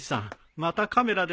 またカメラですか？